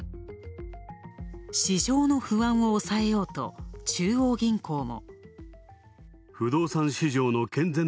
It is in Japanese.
市場の不安を抑えようと中央銀行も。